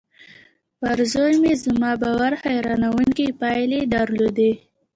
پر زوی مې زما باور حيرانوونکې پايلې درلودې.